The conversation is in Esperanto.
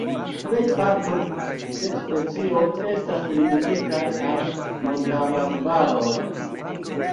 Plej parto de specioj estas limigitaj al montararbaroj.